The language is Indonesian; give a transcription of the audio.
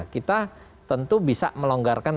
kita tentu bisa melonggarkan